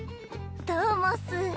どうもっす。